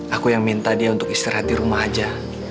aku yang minta dia untuk istirahat di rumah aja